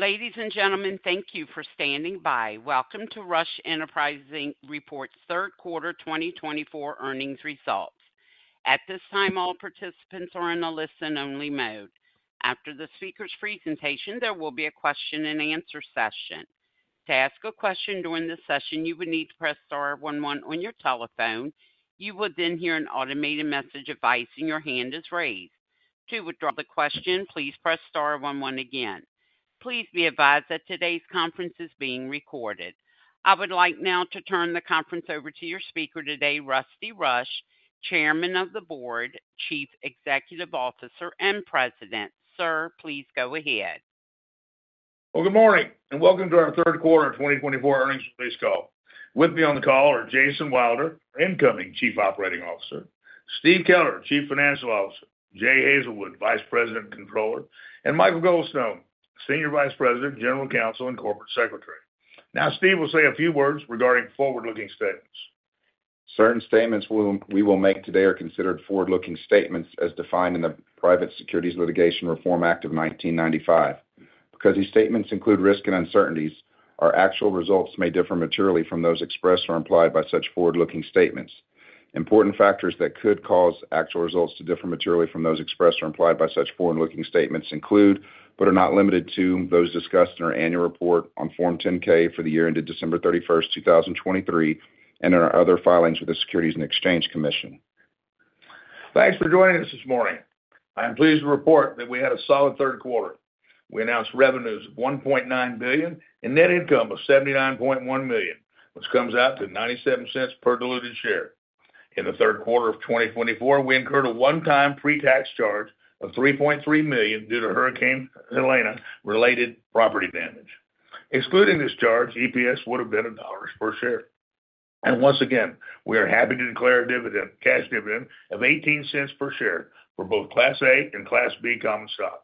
Ladies and gentlemen, thank you for standing by. Welcome to Rush Enterprises' third quarter 2024 earnings results. At this time, all participants are in a listen-only mode. After the speaker's presentation, there will be a question-and-answer session. To ask a question during this session, you would need to press star one one on your telephone. You will then hear an automated message confirming your hand is raised. To withdraw the question, please press star one one again. Please be advised that today's conference is being recorded. I would like now to turn the conference over to your speaker today, Rusty Rush, Chairman of the Board, Chief Executive Officer, and President. Sir, please go ahead. Good morning and welcome to our third quarter 2024 earnings release call. With me on the call are Jason Wilder, our incoming Chief Operating Officer, Steve Keller, Chief Financial Officer, Jay Hazelwood, Vice President Controller, and Michael Goldstone, Senior Vice President, General Counsel, and Corporate Secretary. Now, Steve will say a few words regarding forward-looking statements. Certain statements we will make today are considered forward-looking statements as defined in the Private Securities Litigation Reform Act of 1995. Because these statements include risk and uncertainties, our actual results may differ materially from those expressed or implied by such forward-looking statements. Important factors that could cause actual results to differ materially from those expressed or implied by such forward-looking statements include, but are not limited to, those discussed in our annual report on Form 10-K for the year ended December 31, 2023, and in our other filings with the Securities and Exchange Commission. Thanks for joining us this morning. I am pleased to report that we had a solid third quarter. We announced revenues of $1.9 billion and net income of $79.1 million, which comes out to $0.97 per diluted share. In the third quarter of 2024, we incurred a one-time pre-tax charge of $3.3 million due to Hurricane Helene-related property damage. Excluding this charge, EPS would have been $1 per share, and once again, we are happy to declare a cash dividend of $0.18 per share for both Class A and Class B common stock.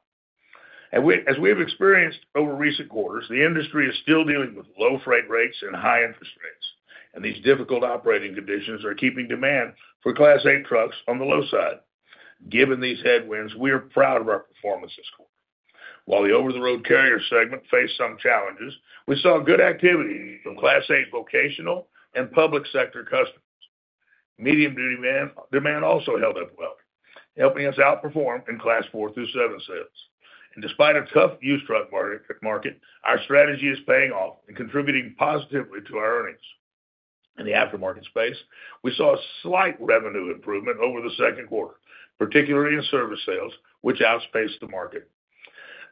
As we have experienced over recent quarters, the industry is still dealing with low freight rates and high interest rates, and these difficult operating conditions are keeping demand for Class 8 trucks on the low side. Given these headwinds, we are proud of our performance this quarter. While the over-the-road carrier segment faced some challenges, we saw good activity from Class 8 vocational and public sector customers. Medium-duty demand also held up well, helping us outperform in Class 4 through 7 sales, and despite a tough used truck market, our strategy is paying off and contributing positively to our earnings. In the aftermarket space, we saw a slight revenue improvement over the second quarter, particularly in service sales, which outpaced the market.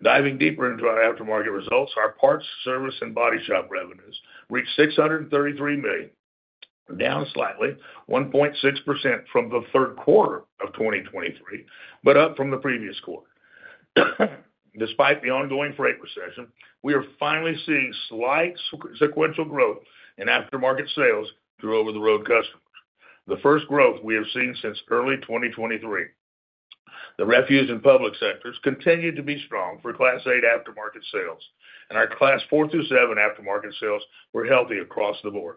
Diving deeper into our aftermarket results, our parts, service, and body shop revenues reached $633 million, down slightly, 1.6% from the third quarter of 2023, but up from the previous quarter. Despite the ongoing freight recession, we are finally seeing slight sequential growth in aftermarket sales through over-the-road customers, the first growth we have seen since early 2023. The refuse and public sectors continued to be strong for Class 8 aftermarket sales, and our Class 4 through 7 aftermarket sales were healthy across the board.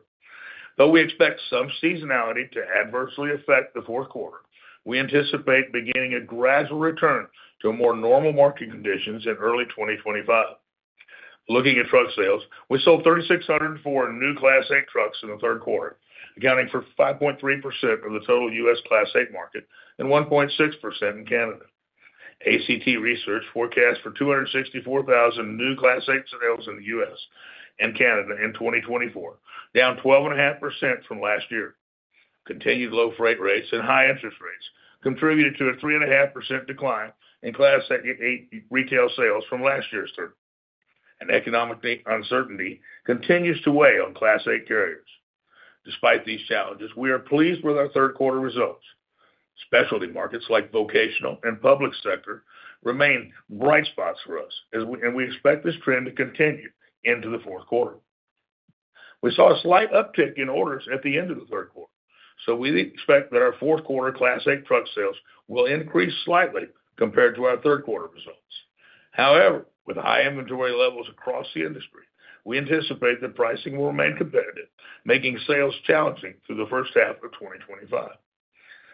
Though we expect some seasonality to adversely affect the fourth quarter, we anticipate beginning a gradual return to more normal market conditions in early 2025. Looking at truck sales, we sold 3,604 new Class 8 trucks in the third quarter, accounting for 5.3% of the total U.S. Class 8 market and 1.6% in Canada. ACT Research forecasts for 264,000 new Class 8 sales in the U.S. and Canada in 2024, down 12.5% from last year. Continued low freight rates and high interest rates contributed to a 3.5% decline in Class 8 retail sales from last year's third. And economic uncertainty continues to weigh on Class 8 carriers. Despite these challenges, we are pleased with our third quarter results. Specialty markets like vocational and public sector remain bright spots for us, and we expect this trend to continue into the fourth quarter. We saw a slight uptick in orders at the end of the third quarter, so we expect that our fourth quarter Class 8 truck sales will increase slightly compared to our third quarter results. However, with high inventory levels across the industry, we anticipate that pricing will remain competitive, making sales challenging through the first half of 2025.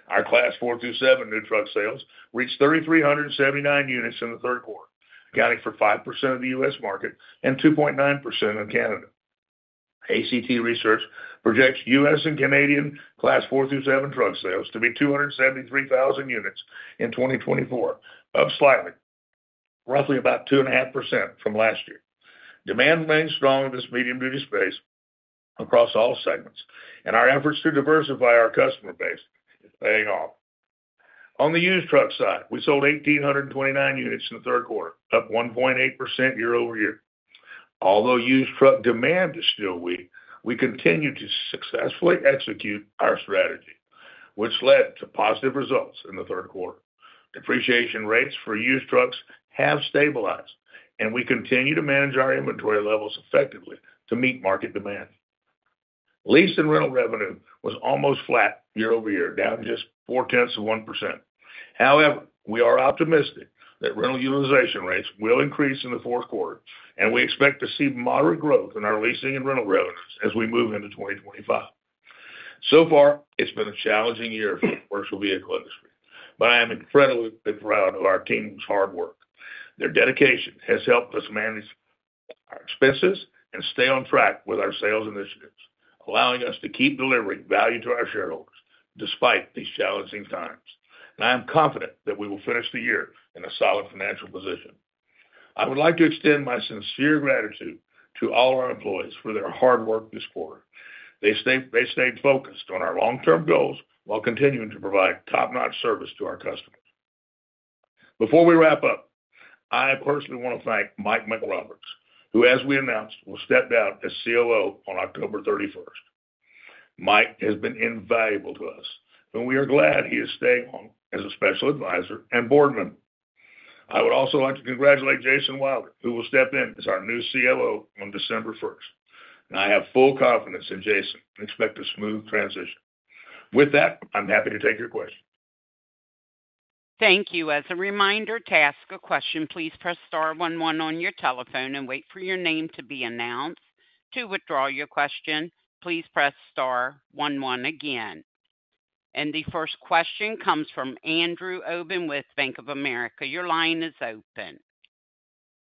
Our Class 4 through 7 new truck sales reached 3,379 units in the third quarter, accounting for 5% of the U.S. market and 2.9% of Canada. ACT Research projects U.S. and Canadian Class 4 through 7 truck sales to be 273,000 units in 2024, up slightly, roughly about 2.5% from last year. Demand remains strong in this medium-duty space across all segments, and our efforts to diversify our customer base are paying off. On the used truck side, we sold 1,829 units in the third quarter, up 1.8% year over year. Although used truck demand is still weak, we continue to successfully execute our strategy, which led to positive results in the third quarter. Depreciation rates for used trucks have stabilized, and we continue to manage our inventory levels effectively to meet market demand. Lease and rental revenue was almost flat year over year, down just 0.4%. However, we are optimistic that rental utilization rates will increase in the fourth quarter, and we expect to see moderate growth in our leasing and rental revenues as we move into 2025. So far, it's been a challenging year for the commercial vehicle industry, but I am incredibly proud of our team's hard work. Their dedication has helped us manage our expenses and stay on track with our sales initiatives, allowing us to keep delivering value to our shareholders despite these challenging times. And I am confident that we will finish the year in a solid financial position. I would like to extend my sincere gratitude to all our employees for their hard work this quarter. They stayed focused on our long-term goals while continuing to provide top-notch service to our customers. Before we wrap up, I personally want to thank Mike McRoberts, who, as we announced, will step down as COO on October 31. Mike has been invaluable to us, and we are glad he is staying on as a special advisor and board member. I would also like to congratulate Jason Wilder, who will step in as our new COO on December 1. I have full confidence in Jason and expect a smooth transition. With that, I'm happy to take your questions. Thank you. As a reminder, to ask a question, please press star one one on your telephone and wait for your name to be announced. To withdraw your question, please press star one one again. And the first question comes from Andrew Obin with Bank of America. Your line is open.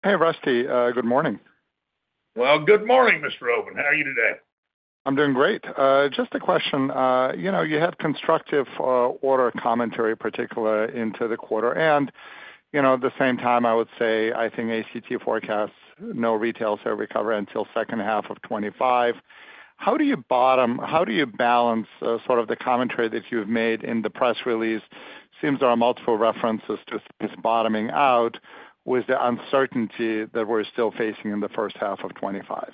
Hey, Rusty. Good morning. Good morning, Mr. Obin. How are you today? I'm doing great. Just a question. You had constructive order commentary, particularly into the quarter, and at the same time, I would say, I think ACT forecasts no retail sale recovery until the second half of 2025. How do you bottom? How do you balance sort of the commentary that you've made in the press release? It seems there are multiple references to this bottoming out with the uncertainty that we're still facing in the first half of 2025.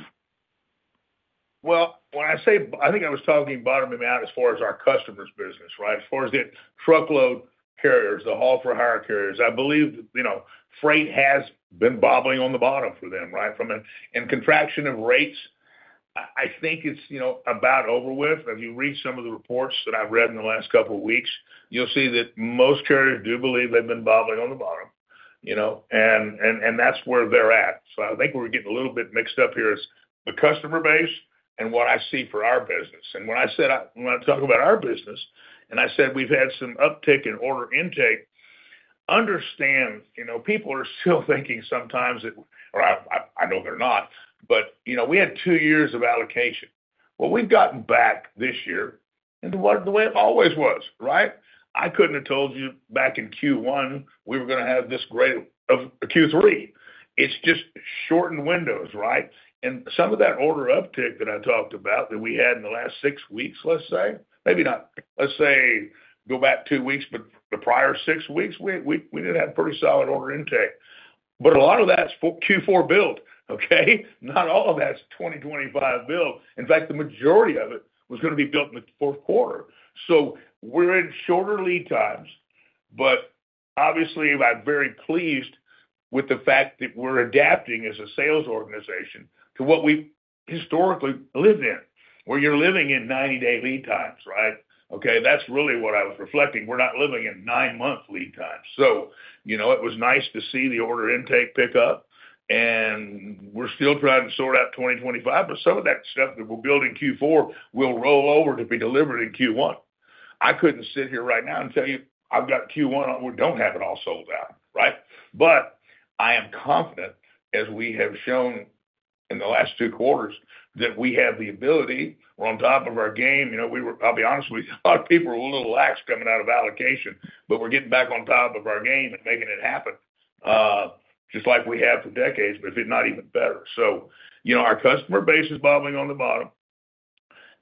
When I say, I think I was talking bottoming out as far as our customers' business, right? As far as the truckload carriers, the haul-for-hire carriers, I believe freight has been bobbing on the bottom for them, right? And contraction of rates, I think it's about over with. As you read some of the reports that I've read in the last couple of weeks, you'll see that most carriers do believe they've been bobbing on the bottom. And that's where they're at. So I think we're getting a little bit mixed up here as the customer base and what I see for our business. And when I said I want to talk about our business, and I said we've had some uptick in order intake, understand people are still thinking sometimes that, or I know they're not, but we had two years of allocation. We've gotten back this year into the way it always was, right? I couldn't have told you back in Q1 we were going to have this great of Q3. It's just shortened windows, right? And some of that order uptick that I talked about that we had in the last six weeks, let's say, maybe not, let's say go back two weeks, but the prior six weeks, we didn't have pretty solid order intake. But a lot of that's Q4 built, okay? Not all of that's 2025 built. In fact, the majority of it was going to be built in the fourth quarter. So we're in shorter lead times, but obviously, I'm very pleased with the fact that we're adapting as a sales organization to what we've historically lived in, where you're living in 90-day lead times, right? Okay? That's really what I was reflecting. We're not living in nine-month lead times. So it was nice to see the order intake pick up, and we're still trying to sort out 2025, but some of that stuff that we're building Q4 will roll over to be delivered in Q1. I couldn't sit here right now and tell you I've got Q1. We don't have it all sold out, right? But I am confident, as we have shown in the last two quarters, that we have the ability. We're on top of our game. I'll be honest, a lot of people are a little lax coming out of allocation, but we're getting back on top of our game and making it happen, just like we have for decades, but if not even better. So our customer base is bobbing on the bottom,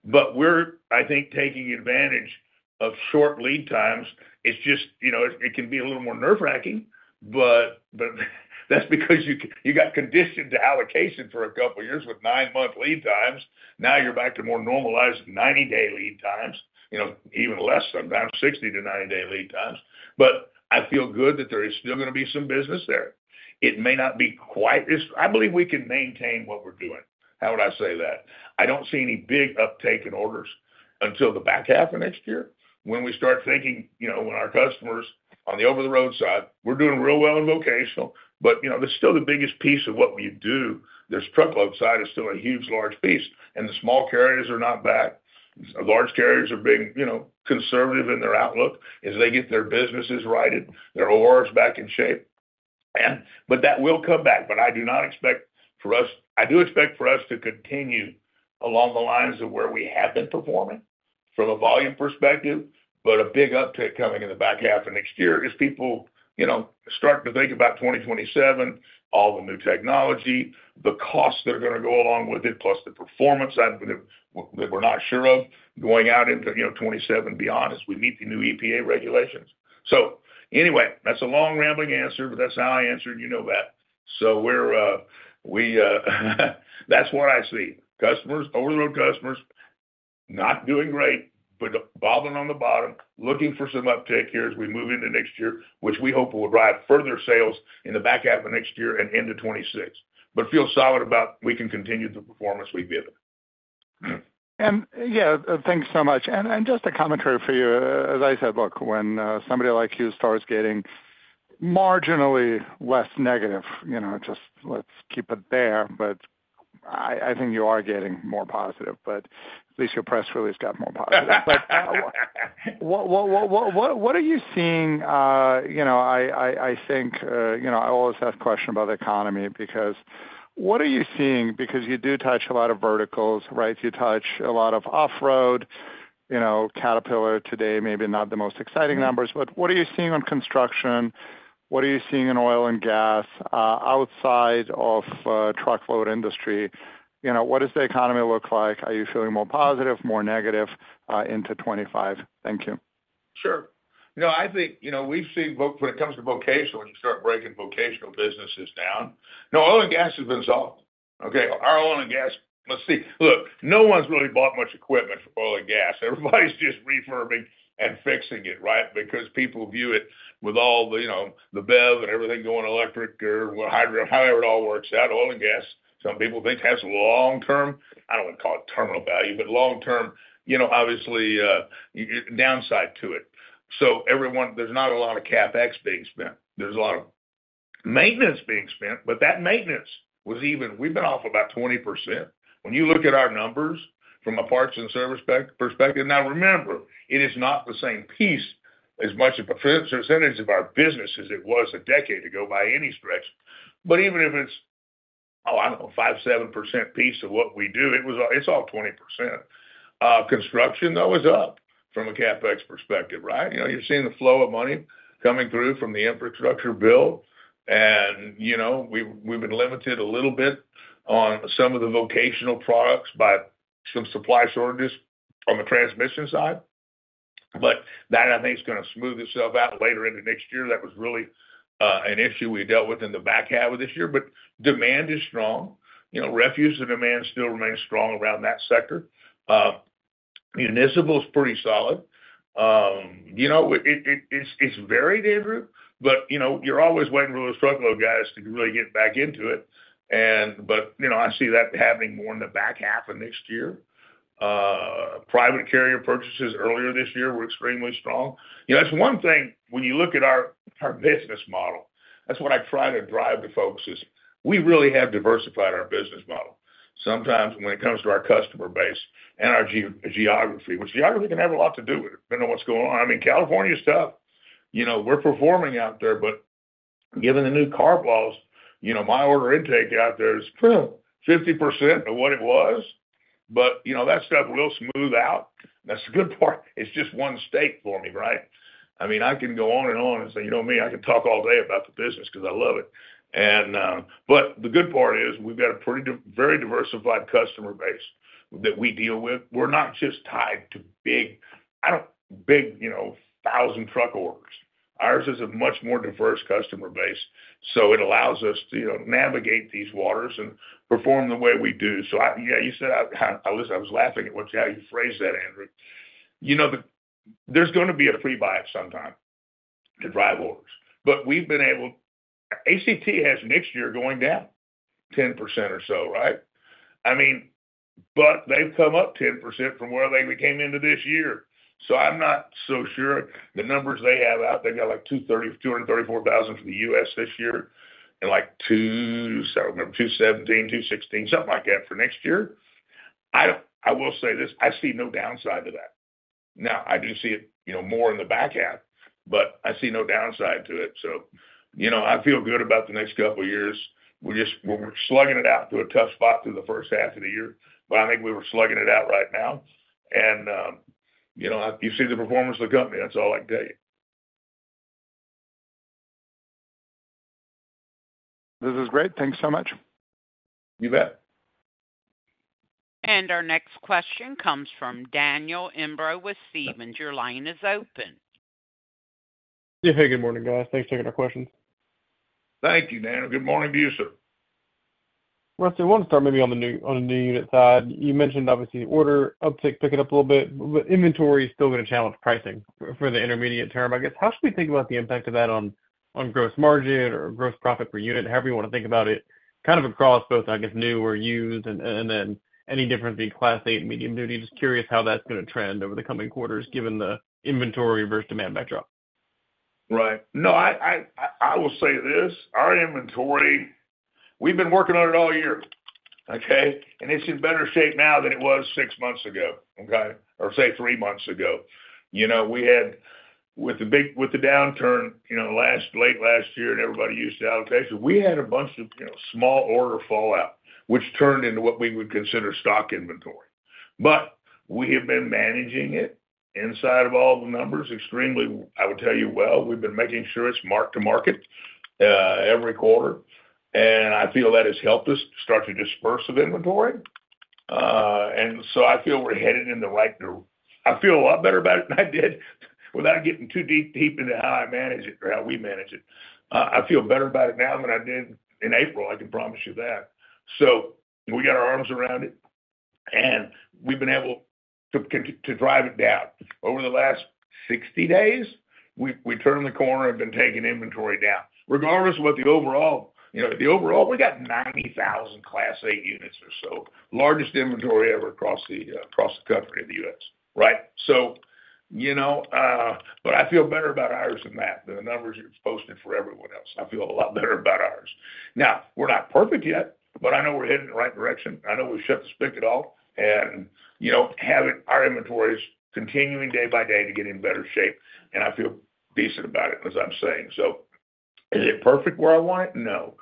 but we're, I think, taking advantage of short lead times. It's just it can be a little more nerve-wracking, but that's because you got conditioned to allocation for a couple of years with nine-month lead times. Now you're back to more normalized 90-day lead times, even less sometimes, 60-90 day lead times. But I feel good that there is still going to be some business there. It may not be quite as I believe we can maintain what we're doing. How would I say that? I don't see any big uptake in orders until the back half of next year when we start thinking when our customers on the over-the-road side, we're doing real well in vocational, but there's still the biggest piece of what we do. The truckload side is still a huge, large piece, and the small carriers are not back. Large carriers are being conservative in their outlook as they get their businesses righted, their ORs back in shape. But that will come back, but I do expect for us to continue along the lines of where we have been performing from a volume perspective, but a big uptick coming in the back half of next year as people start to think about 2027, all the new technology, the costs that are going to go along with it, plus the performance that we're not sure of going out into 2027 and beyond as we meet the new EPA regulations. So anyway, that's a long rambling answer, but that's how I answered, you know that. So that's what I see. Customers, over-the-road customers, not doing great, but bobbing on the bottom, looking for some uptake here as we move into next year, which we hope will drive further sales in the back half of next year and into 2026, but feel solid about we can continue the performance we've given. And yeah, thanks so much. And just a commentary for you. As I said, look, when somebody like you starts getting marginally less negative, just let's keep it there, but I think you are getting more positive, but at least your press release got more positive. But what are you seeing? I think I always ask a question about the economy because what are you seeing? Because you do touch a lot of verticals, right? You touch a lot of off-road, Caterpillar today, maybe not the most exciting numbers, but what are you seeing on construction? What are you seeing in oil and gas outside of truckload industry? What does the economy look like? Are you feeling more positive, more negative into 2025? Thank you. Sure. No, I think we've seen when it comes to vocational, you start breaking vocational businesses down. No, oil and gas has been solved. Okay? Our oil and gas, let's see. Look, no one's really bought much equipment for oil and gas. Everybody's just refurbing and fixing it, right? Because people view it with all the BEV and everything going electric or hydro, however it all works out. Oil and gas, some people think has long-term, I don't want to call it terminal value, but long-term, obviously, downside to it. So there's not a lot of CapEx being spent. There's a lot of maintenance being spent, but that maintenance was even we've been off about 20%. When you look at our numbers from a parts and service perspective, now remember, it is not the same piece as much of a percentage of our business as it was a decade ago by any stretch. But even if it's, oh, I don't know, 5%-7% piece of what we do, it's all 20%. Construction, though, is up from a CapEx perspective, right? You're seeing the flow of money coming through from the infrastructure bill. And we've been limited a little bit on some of the vocational products by some supply shortages on the transmission side. But that, I think, is going to smooth itself out later into next year. That was really an issue we dealt with in the back half of this year. But demand is strong. Refuse and demand still remain strong around that sector. Municipal is pretty solid. It's varied, Andrew, but you're always waiting for those truckload guys to really get back into it. But I see that happening more in the back half of next year. Private carrier purchases earlier this year were extremely strong. That's one thing when you look at our business model. That's what I try to drive to folks is we really have diversified our business model. Sometimes when it comes to our customer base and our geography, which geography can have a lot to do with it, depending on what's going on. I mean, California is tough. We're performing out there, but given the new CARB laws, my order intake out there is 50% of what it was. But that stuff will smooth out. That's the good part. It's just one state for me, right? I mean, I can go on and on and say, you know what I mean? I can talk all day about the business because I love it, but the good part is we've got a very diversified customer base that we deal with. We're not just tied to big thousand truck orders. Ours is a much more diverse customer base, so it allows us to navigate these waters and perform the way we do, so yeah, you said I was laughing at how you phrased that, Andrew. There's going to be a pre-buy at some time to drive orders, but we've been able to. ACT has next year going down 10% or so, right? I mean, but they've come up 10% from where they came into this year, so I'm not so sure. The numbers they have out, they've got like 234,000 for the U.S. this year and like 217, 216, something like that for next year. I will say this, I see no downside to that. Now, I do see it more in the back half, but I see no downside to it, so I feel good about the next couple of years. We're slugging it out in a tough spot through the first half of the year, but I think we were slugging it out right now, and you see the performance of the company. That's all I can tell you. This is great. Thanks so much. You bet. Our next question comes from Daniel Imbro with Stephens. Your line is open. Hey, good morning, guys. Thanks for taking our questions. Thank you, Daniel. Good morning to you, sir. Rusty, I want to start maybe on the new unit side. You mentioned, obviously, order uptick picking up a little bit, but inventory is still going to challenge pricing for the intermediate term, I guess. How should we think about the impact of that on gross margin or gross profit per unit? However you want to think about it, kind of across both, I guess, new or used, and then any difference between Class 8 and medium duty. Just curious how that's going to trend over the coming quarters given the inventory versus demand backdrop. Right. No, I will say this. Our inventory, we've been working on it all year, okay? And it's in better shape now than it was six months ago, okay? Or, say, three months ago. We had, with the downturn late last year and everybody used to allocation, we had a bunch of small order fallout, which turned into what we would consider stock inventory. But we have been managing it inside of all the numbers extremely, I would tell you well. We've been making sure it's marked to market every quarter. And I feel that has helped us start to disperse the inventory. And so I feel we're headed in the right direction. I feel a lot better about it than I did without getting too deep into how I manage it or how we manage it. I feel better about it now than I did in April. I can promise you that. So we got our arms around it, and we've been able to drive it down. Over the last 60 days, we turned the corner and have been taking inventory down. Regardless of what the overall, we got 90,000 Class 8 units or so, largest inventory ever across the country in the U.S., right? So but I feel better about ours than that, than the numbers you're posting for everyone else. I feel a lot better about ours. Now, we're not perfect yet, but I know we're heading in the right direction. I know we've shut the spigot off and have our inventories continuing day by day to get in better shape. And I feel decent about it, as I'm saying. So is it perfect where I want it? No.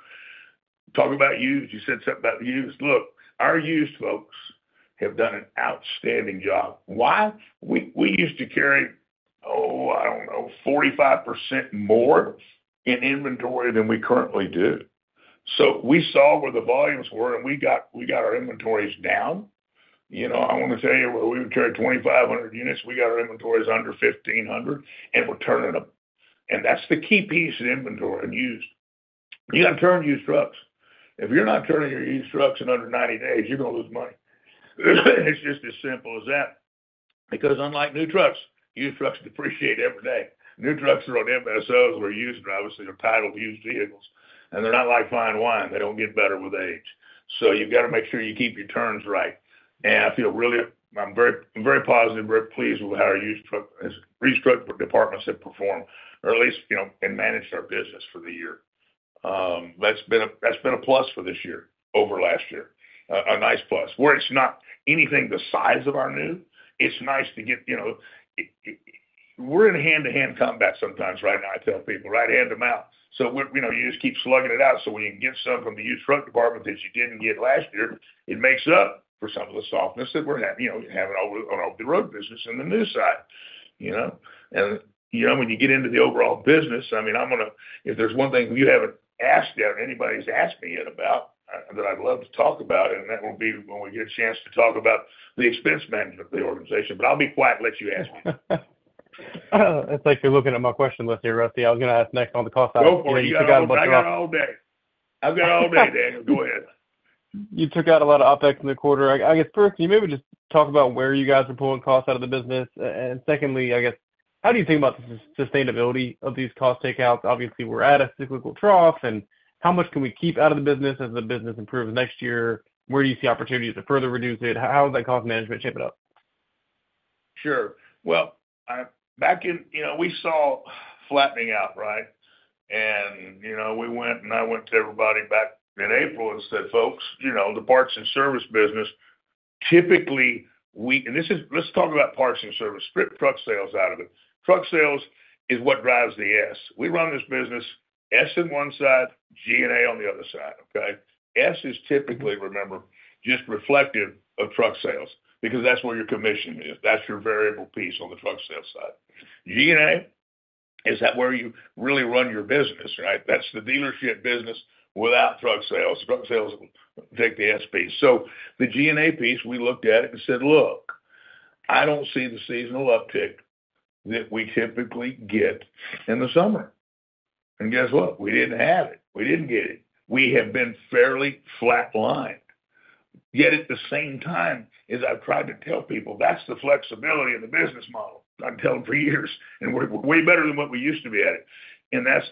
Talk about used. You said something about used. Look, our used folks have done an outstanding job. Why? We used to carry, oh, I don't know, 45% more in inventory than we currently do. So we saw where the volumes were, and we got our inventories down. I want to tell you, we would carry 2,500 units. We got our inventories under 1,500, and we're turning them, and that's the key piece in inventory and used. You got to turn used trucks. If you're not turning your used trucks in under 90 days, you're going to lose money. It's just as simple as that. Because unlike new trucks, used trucks depreciate every day. New trucks are on MSOs or used drivers. They're titled used vehicles, and they're not like fine wine. They don't get better with age, so you've got to make sure you keep your turns right. I feel really, I'm very positive, very pleased with how our used truck departments have performed, or at least managed our business for the year. That's been a plus for this year over last year. A nice plus. Where it's not anything the size of our new, it's nice to get. We're in hand-to-hand combat sometimes right now. I tell people, right hand them out, so you just keep slugging it out so when you can get something from the used truck department that you didn't get last year, it makes up for some of the softness that we're having on the road business and the new side. And when you get into the overall business, I mean, if there's one thing you haven't asked yet or anybody's asked me yet about that I'd love to talk about, and that will be when we get a chance to talk about the expense management of the organization, but I'll be quiet and let you ask me. It's like you're looking at my question list here, Rusty. I was going to ask next on the cost out of the business. Go for it. You took out a bunch of ops. I've got all day. I've got all day, Daniel. Go ahead. You took out a lot of OpEx in the quarter. I guess, first, can you maybe just talk about where you guys are pulling costs out of the business? And secondly, I guess, how do you think about the sustainability of these cost takeouts? Obviously, we're at a cyclical trough. And how much can we keep out of the business as the business improves next year? Where do you see opportunities to further reduce it? How is that cost management shaping up? Sure. Well, back in, we saw flattening out, right? And we went, and I went to everybody back in April and said, "Folks, the parts and service business, typically, we" and let's talk about parts and service. Strip truck sales out of it. Truck sales is what drives the S. We run this business S on one side, G&A on the other side, okay? S is typically, remember, just reflective of truck sales because that's where your commission is. That's your variable piece on the truck sales side. G&A, is that where you really run your business, right? That's the dealership business without truck sales. Truck sales take the S piece. So the G and A piece, we looked at it and said, "Look, I don't see the seasonal uptick that we typically get in the summer." And guess what? We didn't have it. We didn't get it. We have been fairly flatlined. Yet at the same time as I've tried to tell people, that's the flexibility of the business model. I've been telling them for years, and we're way better than what we used to be at it, and that's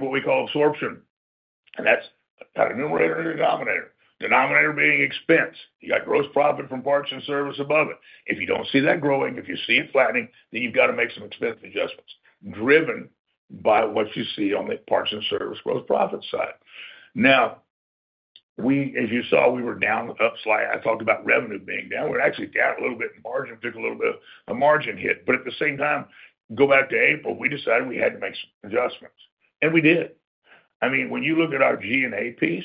what we call absorption, and that's got a numerator and a denominator. Denominator being expense. You got gross profit from parts and service above it. If you don't see that growing, if you see it flattening, then you've got to make some expense adjustments driven by what you see on the parts and service gross profit side. Now, as you saw, we were down, upside. I talked about revenue being down. We actually got a little bit in margin, took a little bit of a margin hit. But at the same time, go back to April. We decided we had to make some adjustments. And we did. I mean, when you look at our G&A piece,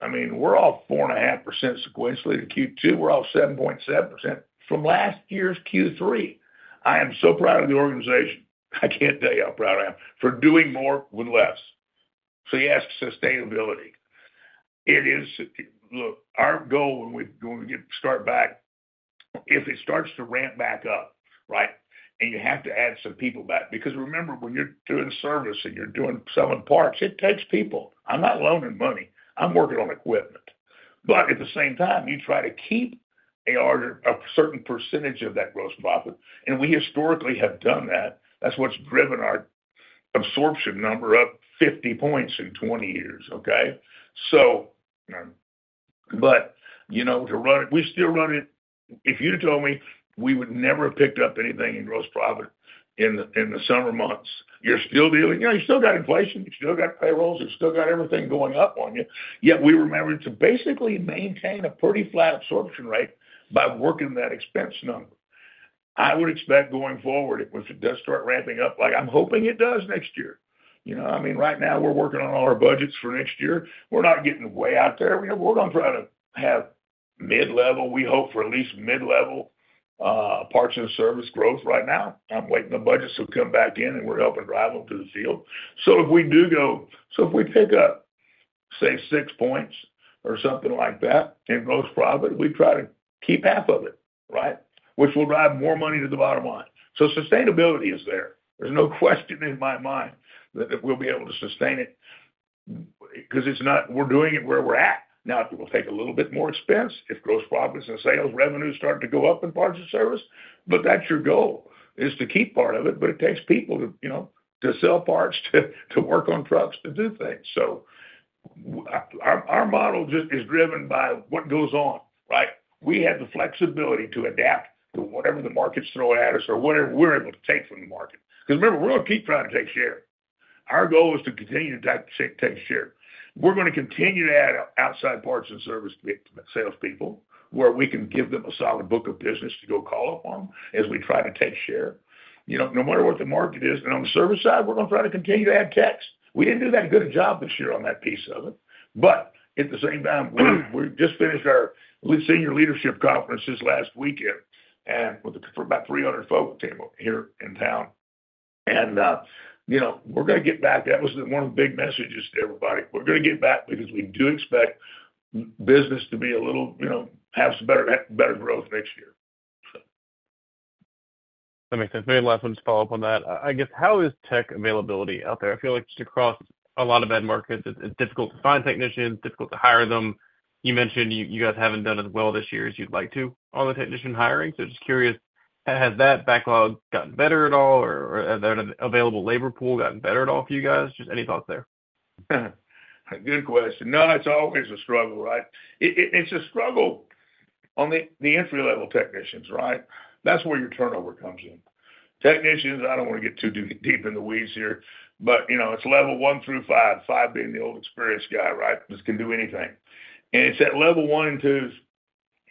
I mean, we're all 4.5% sequentially to Q2. We're all 7.7% from last year's Q3. I am so proud of the organization. I can't tell you how proud I am for doing more with less. So you ask sustainability. Look, our goal when we start back, if it starts to ramp back up, right, and you have to add some people back. Because remember, when you're doing service and you're selling parts, it takes people. I'm not loaning money. I'm working on equipment. But at the same time, you try to keep a certain percentage of that gross profit. And we historically have done that. That's what's driven our absorption number up 50 points in 20 years, okay? But to run it, we still run it. If you'd have told me, we would never have picked up anything in gross profit in the summer months. You're still dealing. You still got inflation. You still got payrolls. You still got everything going up on you. Yet we remember to basically maintain a pretty flat absorption rate by working that expense number. I would expect going forward, if it does start ramping up, like I'm hoping it does next year. I mean, right now, we're working on all our budgets for next year. We're not getting way out there. We're going to try to have mid-level. We hope for at least mid-level parts and service growth right now. I'm waiting the budgets to come back in, and we're helping drive them to the field. So if we pick up, say, six points or something like that in gross profit, we try to keep half of it, right? Which will drive more money to the bottom line. Sustainability is there. There's no question in my mind that we'll be able to sustain it because we're doing it where we're at. Now, it will take a little bit more expense if gross profits and sales revenues start to go up in parts and service. But that's your goal, is to keep part of it, but it takes people to sell parts, to work on trucks, to do things. So our model is driven by what goes on, right? We have the flexibility to adapt to whatever the market's throwing at us or whatever we're able to take from the market. Because remember, we're going to keep trying to take share. Our goal is to continue to take share. We're going to continue to add outside parts and service salespeople where we can give them a solid book of business to go call upon as we try to take share. No matter what the market is, and on the service side, we're going to try to continue to add techs. We didn't do that good a job this year on that piece of it. But at the same time, we just finished our senior leadership conferences last weekend for about 300 folks here in town, and we're going to get back. That was one of the big messages to everybody. We're going to get back because we do expect business to have some better growth next year. That makes sense. Maybe last one just to follow up on that. I guess, how is tech availability out there? I feel like just across a lot of end markets, it's difficult to find technicians, difficult to hire them. You mentioned you guys haven't done as well this year as you'd like to on the technician hiring. So just curious, has that backlog gotten better at all, or has that available labor pool gotten better at all for you guys? Just any thoughts there? Good question. No, it's always a struggle, right? It's a struggle on the entry-level technicians, right? That's where your turnover comes in. Technicians, I don't want to get too deep in the weeds here, but it's level one through five, five being the old experienced guy, right? This can do anything. And it's at level one and twos.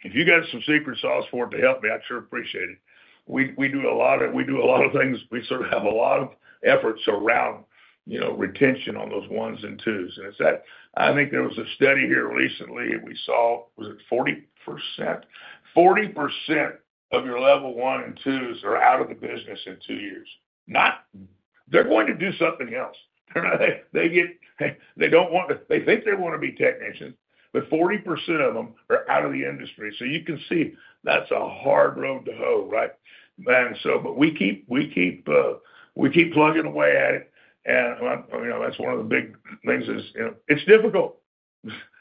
If you got some secret sauce for it to help me, I'd sure appreciate it. We do a lot of things. We sort of have a lot of efforts around retention on those ones and twos. And it's that I think there was a study here recently. We saw, was it 40%? 40% of your level one and twos are out of the business in two years. They're going to do something else. They don't want to, they think they want to be technicians, but 40% of them are out of the industry, so you can see that's a hard road to hoe, right? But we keep plugging away at it, and that's one of the big things is it's difficult.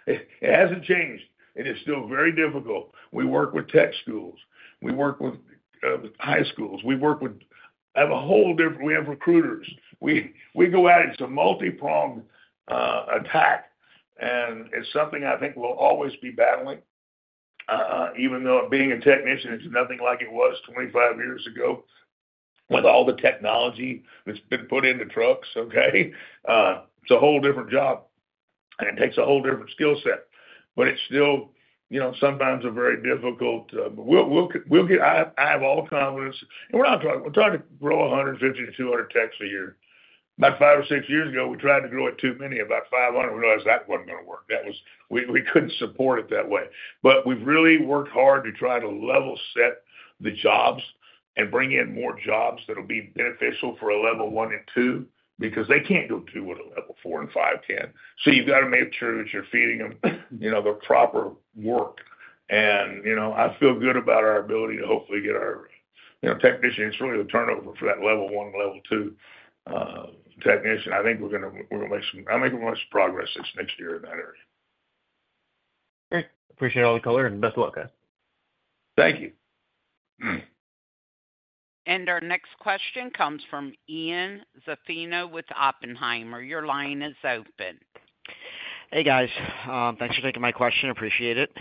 It hasn't changed. It is still very difficult. We work with tech schools. We work with high schools. We work with a whole different, we have recruiters. We go at it. It's a multi-pronged attack, and it's something I think we'll always be battling, even though being a technician, it's nothing like it was 25 years ago with all the technology that's been put into trucks, okay? It's a whole different job, and it takes a whole different skill set, but it's still sometimes a very difficult, I have all confidence. And we're not talking. We're trying to grow 150 to 200 techs a year. About five or six years ago, we tried to grow it too many, about 500. We realized that wasn't going to work. We couldn't support it that way. But we've really worked hard to try to level set the jobs and bring in more jobs that will be beneficial for a level one and two because they can't do two what a level four and five can. So you've got to make sure that you're feeding them the proper work. And I feel good about our ability to hopefully get our technician. It's really the turnover for that level one and level two technician. I think we're going to make some progress this next year in that area. Great. Appreciate all the color and best of luck, guys. Thank you. Our next question comes from Ian Zaffino with Oppenheimer. Your line is open. Hey, guys. Thanks for taking my question. Appreciate it.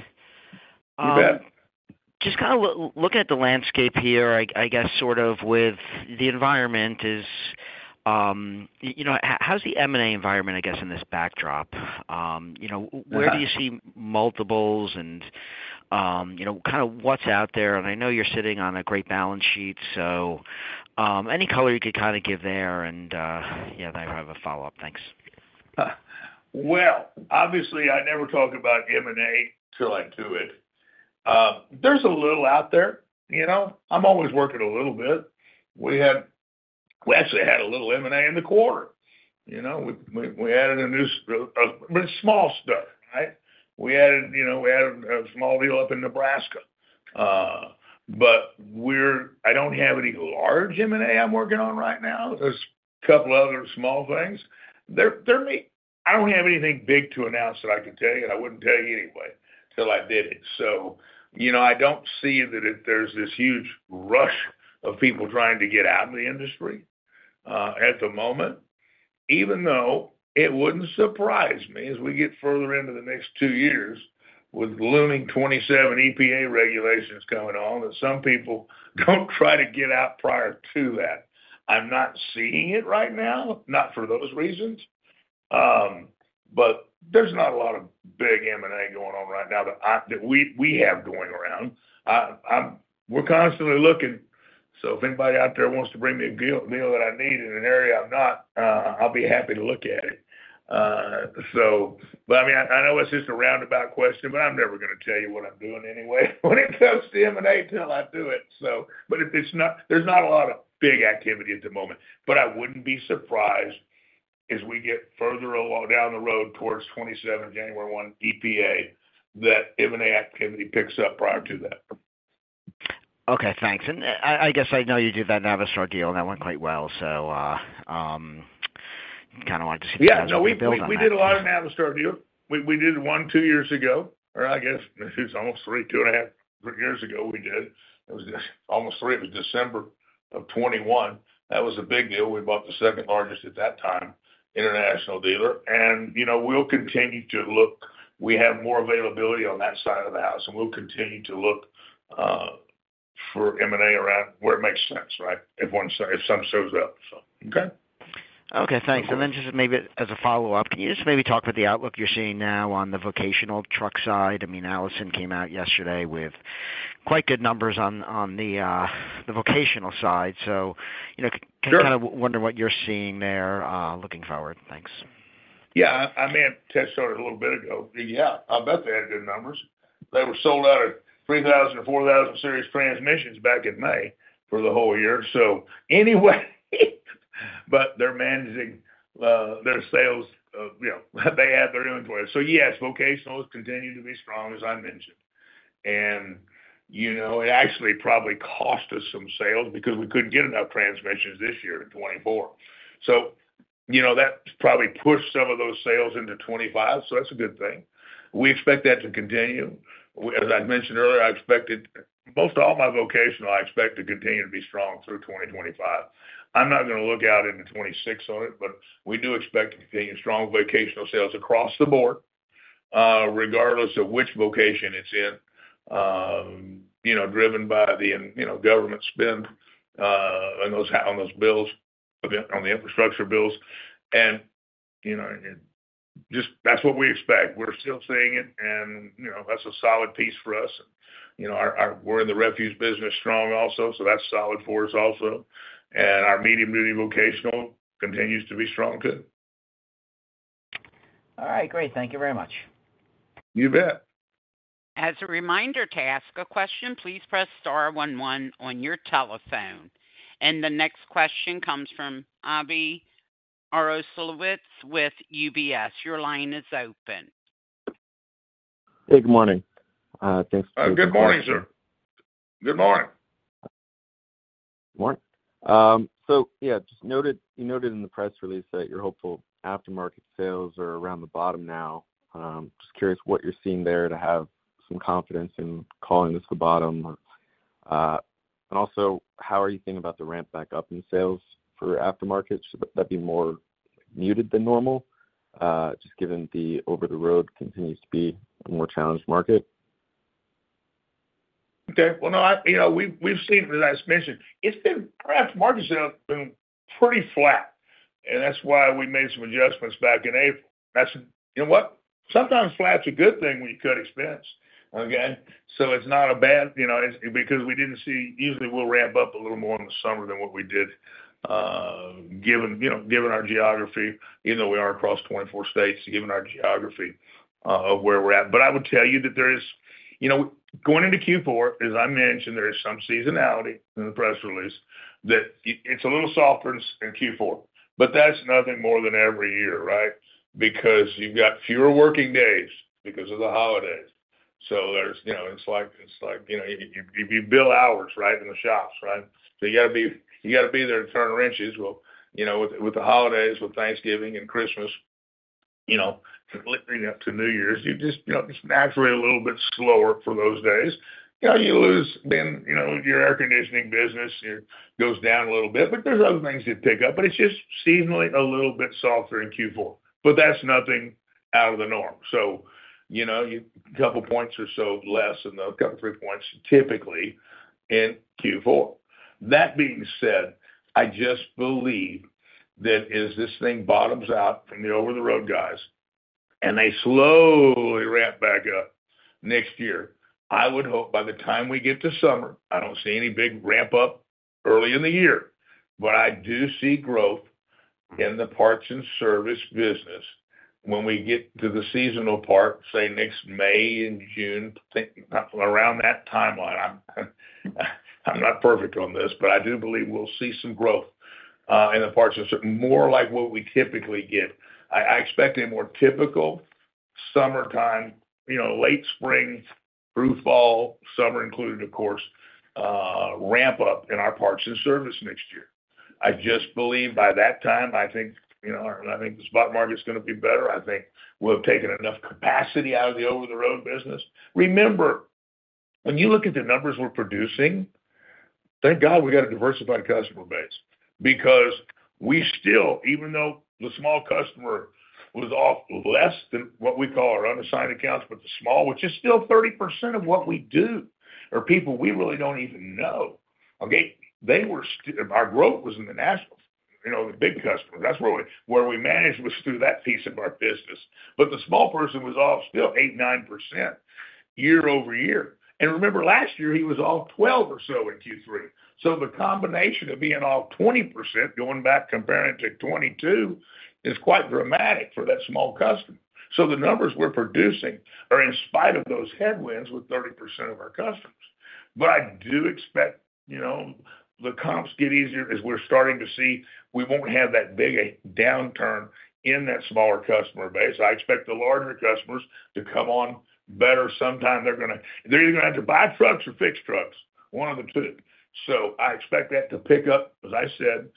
You bet. Just kind of looking at the landscape here, I guess, sort of with the environment. How's the M&A environment, I guess, in this backdrop? Where do you see multiples and kind of what's out there? And I know you're sitting on a great balance sheet. So any color you could kind of give there. And yeah, I have a follow-up. Thanks. Obviously, I never talk about M&A till I do it. There's a little out there. I'm always working a little bit. We actually had a little M&A in the quarter. We added a new small stuff, right? We added a small deal up in Nebraska. But I don't have any large M&A I'm working on right now. There's a couple of other small things. I don't have anything big to announce that I can tell you, and I wouldn't tell you anyway till I did it. So I don't see that there's this huge rush of people trying to get out of the industry at the moment. Even though it wouldn't surprise me as we get further into the next two years with looming 2027 EPA regulations coming on that some people don't try to get out prior to that. I'm not seeing it right now, not for those reasons. But there's not a lot of big M&A going on right now that we have going around. We're constantly looking. So if anybody out there wants to bring me a deal that I need in an area I'm not, I'll be happy to look at it. But I mean, I know it's just a roundabout question, but I'm never going to tell you what I'm doing anyway when it comes to M&A till I do it. But there's not a lot of big activity at the moment. But I wouldn't be surprised as we get further along down the road towards 2027, January 1, EPA, that M&A activity picks up prior to that. Okay. Thanks. And I guess I know you did that Navistar deal, and that went quite well. So kind of wanted to see if you guys had a build-up. Yeah. We did a lot of Navistar deal. We did one two years ago, or I guess it was almost three, two and a half years ago we did. It was almost three. It was December of 2021. That was a big deal. We bought the second largest at that time International dealer. And we'll continue to look. We have more availability on that side of the house, and we'll continue to look for M&A around where it makes sense, right, if some shows up, so. Okay? Okay. Thanks. And then just maybe as a follow-up, can you just maybe talk about the outlook you're seeing now on the vocational truck side? I mean, Allison came out yesterday with quite good numbers on the vocational side. So kind of wondering what you're seeing there looking forward. Thanks. Yeah. I may have tested a little bit ago. Yeah. I bet they had good numbers. They were sold out of 3000-4000 Series transmissions back in May for the whole year. So anyway, but they're managing their sales. They add their inventory. So yes, vocational has continued to be strong, as I mentioned. And it actually probably cost us some sales because we couldn't get enough transmissions this year in 2024. So that's probably pushed some of those sales into 2025. So that's a good thing. We expect that to continue. As I mentioned earlier, I expected most of all my vocational, I expect to continue to be strong through 2025. I'm not going to look out into 2026 on it, but we do expect to continue strong vocational sales across the board, regardless of which vocation it's in, driven by the government spend on those bills, on the infrastructure bills, and that's what we expect. We're still seeing it, and that's a solid piece for us. We're in the refuse business strong also, so that's solid for us also, and our medium-duty vocational continues to be strong too. All right. Great. Thank you very much. You bet. As a reminder to ask a question, please press star one one on your telephone. The next question comes from Avi Jaroslawicz with UBS. Your line is open. Hey, good morning. Thanks for joining us. Good morning, sir. Good morning. Good morning. So yeah, you noted in the press release that you're hopeful aftermarket sales are around the bottom now. Just curious what you're seeing there to have some confidence in calling this the bottom. And also, how are you thinking about the ramp back up in sales for aftermarkets? Would that be more muted than normal, just given the over-the-road continues to be a more challenged market? Okay. Well, no, we've seen it in the last quarter. It's been aftermarket sales have been pretty flat, and that's why we made some adjustments back in April. You know what? Sometimes flat's a good thing when you cut expenses, okay? So it's not bad because we didn't see usually we'll ramp up a little more in the summer than what we did, given our geography, even though we are across 24 states, given our geography of where we're at. But I would tell you that there is going into Q4, as I mentioned, there is some seasonality in the press release that it's a little softer in Q4. But that's nothing more than every year, right? Because you've got fewer working days because of the holidays. So it's like if you bill hours, right, in the shops, right? So you got to be there to turn wrenches. With the holidays, with Thanksgiving and Christmas, leading up to New Year's, you're just naturally a little bit slower for those days. You lose. In your air conditioning business, it goes down a little bit. But there's other things that pick up. But it's just seasonally a little bit softer in Q4. But that's nothing out of the norm. So a couple of points or so less than the couple of three points typically in Q4. That being said, I just believe that as this thing bottoms out from the over-the-road guys and they slowly ramp back up next year, I would hope by the time we get to summer, I don't see any big ramp-up early in the year. But I do see growth in the parts and service business when we get to the seasonal part, say, next May and June, around that timeline. I'm not perfect on this, but I do believe we'll see some growth in the parts and more like what we typically get. I expect a more typical summertime, late spring, through fall, summer included, of course, ramp-up in our parts and service next year. I just believe by that time, I think the spot market's going to be better. I think we'll have taken enough capacity out of the over-the-road business. Remember, when you look at the numbers we're producing, thank God we got a diversified customer base because we still, even though the small customer was off less than what we call our unassigned accounts, but the small, which is still 30% of what we do, are people we really don't even know. Okay? Our growth was in the national, the big customers. That's where we managed was through that piece of our business. But the small customer was off still 8-9% year over year. Remember, last year, he was off 12 or so in Q3. So the combination of being off 20%, going back, comparing it to 22, is quite dramatic for that small customer. So the numbers we're producing are in spite of those headwinds with 30% of our customers. But I do expect the comps get easier as we're starting to see we won't have that big a downturn in that smaller customer base. I expect the larger customers to come on better. Sometime they're going to have to buy trucks or fix trucks, one of the two. So I expect that to pick up, as I said,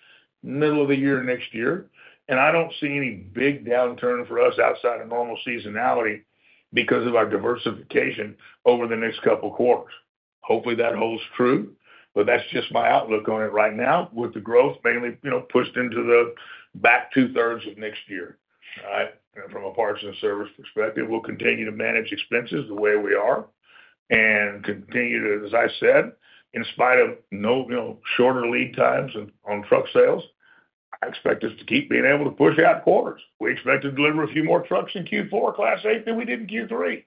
middle of the year next year. And I don't see any big downturn for us outside of normal seasonality because of our diversification over the next couple of quarters. Hopefully, that holds true. But that's just my outlook on it right now with the growth mainly pushed into the back two-thirds of next year, all right? From a parts and service perspective, we'll continue to manage expenses the way we are and continue to, as I said, in spite of shorter lead times on truck sales, I expect us to keep being able to push out quarters. We expect to deliver a few more trucks in Q4, Class 8, than we did in Q3.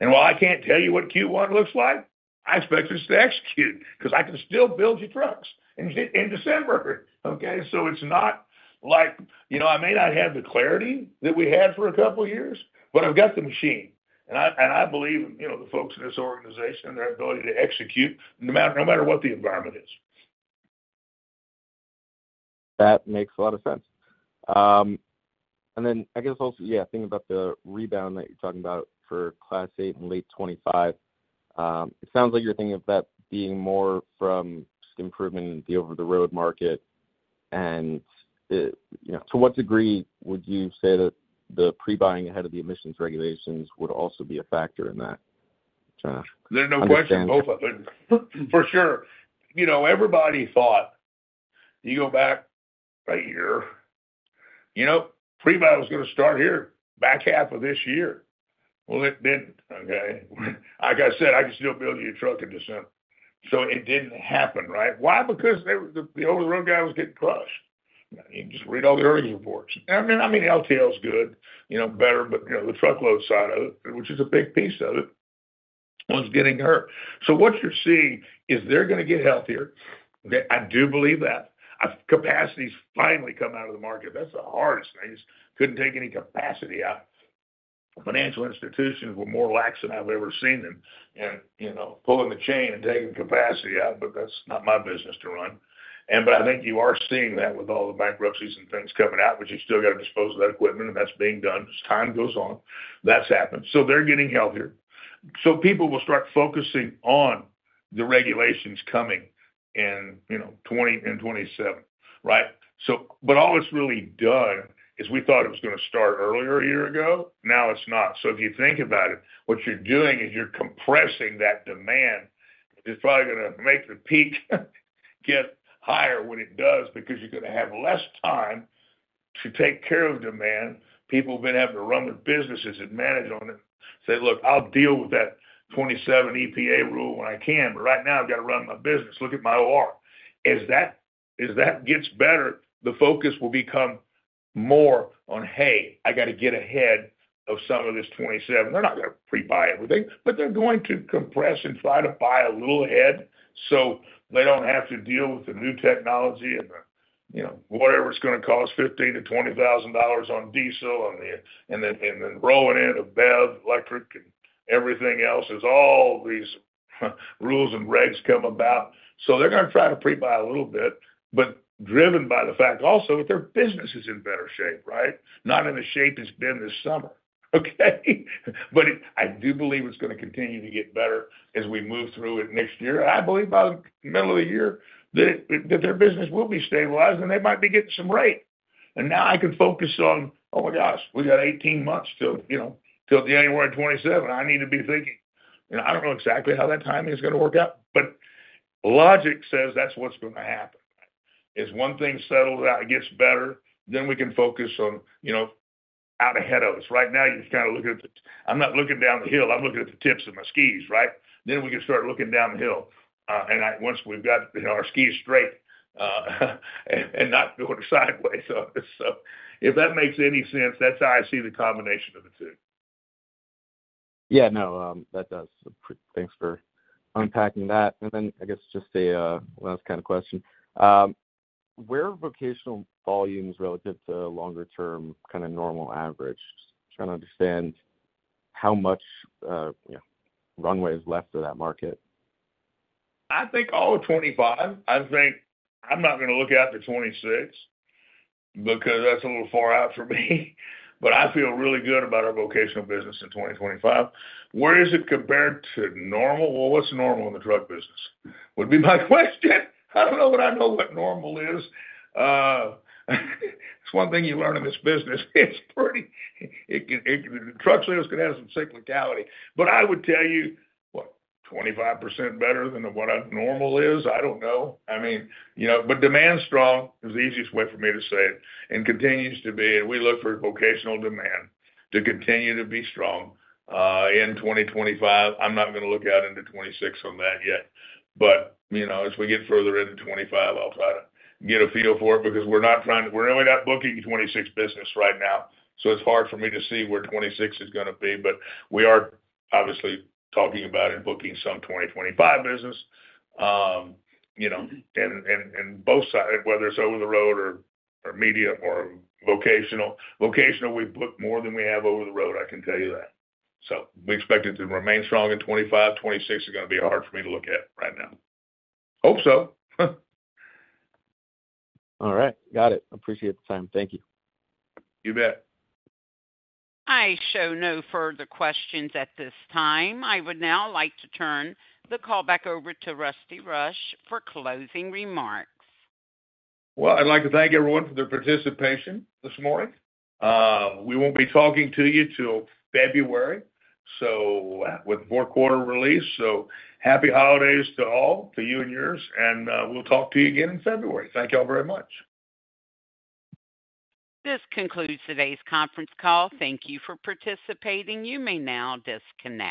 And while I can't tell you what Q1 looks like, I expect us to execute because I can still build you trucks in December, okay? So it's not like I may not have the clarity that we had for a couple of years, but I've got the machine. And I believe in the folks in this organization and their ability to execute no matter what the environment is. That makes a lot of sense. And then I guess also, yeah, thinking about the rebound that you're talking about for Class 8 and late 2025, it sounds like you're thinking of that being more from just improving the over-the-road market. And to what degree would you say that the pre-buying ahead of the emissions regulations would also be a factor in that? Is there no question? For sure. Everybody thought you go back right here. Pre-buy was going to start here back half of this year. Well, okay. Like I said, I can still build you a truck in December. So it didn't happen, right? Why? Because the over-the-road guy was getting crushed. You can just read all the earnings reports. I mean, LTL is good, better, but the truckload side of it, which is a big piece of it, was getting hurt. So what you're seeing is they're going to get healthier. I do believe that. Capacity's finally come out of the market. That's the hardest thing. You just couldn't take any capacity out. Financial institutions were more lax than I've ever seen them in pulling the chain and taking capacity out, but that's not my business to run. But I think you are seeing that with all the bankruptcies and things coming out, but you still got to dispose of that equipment, and that's being done. As time goes on, that's happened. So they're getting healthier. So people will start focusing on the regulations coming in 2027, right? But all it's really done is we thought it was going to start earlier a year ago. Now it's not. So if you think about it, what you're doing is you're compressing that demand. It's probably going to make the peak get higher when it does because you're going to have less time to take care of demand. People have been having to run their businesses and manage on it. Say, "Look, I'll deal with that 2027 EPA rule when I can. But right now, I've got to run my business. Look at my OR." As that gets better, the focus will become more on, "Hey, I got to get ahead of some of this '27." They're not going to pre-buy everything, but they're going to compress and try to buy a little ahead so they don't have to deal with the new technology and whatever it's going to cost, $15,000-$20,000 on diesel and then rolling in a BEV electric and everything else as all these rules and regs come about. So they're going to try to pre-buy a little bit, but driven by the fact also that their business is in better shape, right? Not in the shape it's been this summer, okay? But I do believe it's going to continue to get better as we move through it next year. I believe by the middle of the year that their business will be stabilized, and they might be getting some rate, and now I can focus on, "Oh my gosh, we got 18 months till January 2027. I need to be thinking." I don't know exactly how that timing is going to work out, but logic says that's what's going to happen. As one thing settles out, it gets better, then we can focus on out ahead of us. Right now, you're kind of looking at the hill. I'm not looking down the hill. I'm looking at the tips of my skis, right, then we can start looking down the hill once we've got our skis straight and not going sideways, so if that makes any sense, that's how I see the combination of the two. Yeah. No, that does. Thanks for unpacking that. And then I guess just a last kind of question. Where are vocational volumes relative to longer-term kind of normal average? Just trying to understand how much runway is left of that market. I think all of 2025. I'm not going to look at the 2026 because that's a little far out for me. But I feel really good about our vocational business in 2025. Where is it compared to normal? Well, what's normal in the truck business? Would be my question. I don't know, but I know what normal is. It's one thing you learn in this business. Truck sales can have some cyclicality, but I would tell you, what, 25% better than what normal is? I don't know. I mean, but demand's strong is the easiest way for me to say it and continues to be. And we look for vocational demand to continue to be strong in 2025. I'm not going to look out into 2026 on that yet. But as we get further into 2025, I'll try to get a feel for it because we're really not booking 2026 business right now. So it's hard for me to see where 2026 is going to be. But we are obviously talking about it and booking some 2025 business. And both sides, whether it's over the road or medium or vocational, we book more than we have over the road, I can tell you that. So we expect it to remain strong in 2025. 2026 is going to be hard for me to look at right now. Hope so. All right. Got it. Appreciate the time. Thank you. You bet. I show no further questions at this time. I would now like to turn the call back over to Rusty Rush for closing remarks. I'd like to thank everyone for their participation this morning. We won't be talking to you till February with the fourth quarter release. Happy holidays to all, to you and yours. We'll talk to you again in February. Thank y'all very much. This concludes today's conference call. Thank you for participating. You may now disconnect.